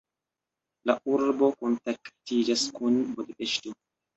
La urbo kontaktiĝas kun Budapeŝto.